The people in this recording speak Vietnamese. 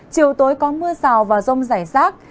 chiều tối có mưa rào và rông rải rác